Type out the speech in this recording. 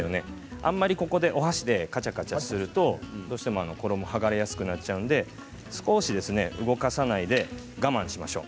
あんまり、ここでお箸でかちゃかちゃすると衣が剥がれやすくなっちゃうので少し動かさないで我慢しましょう。